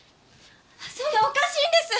おかしいんです！